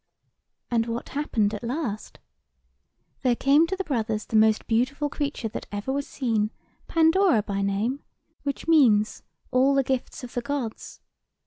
"And what happened at last? There came to the two brothers the most beautiful creature that ever was seen, Pandora by name; which means, All the gifts of the Gods.